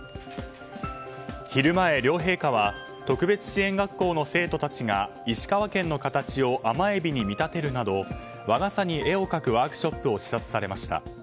昼前、両陛下は特別支援学校の生徒たちが石川県の形を甘エビに見立てるなど和傘に絵を描くワークショップを視察されました。